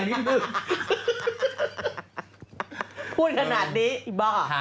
มีหลายคนไม่ให้ใส่เขา